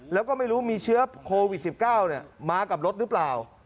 แล้วก็ไม่รู้มีเชื้อโควิด๑๙มากับรถหรือเปล่า